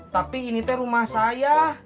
tapi ini teh rumah saya